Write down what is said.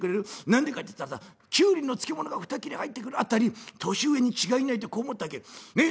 何でかって言ったらさキュウリの漬物が２切れ入ってくる辺り年上に違いないとこう思ったわけ。ね？